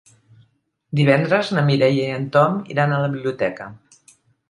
Divendres na Mireia i en Tom iran a la biblioteca.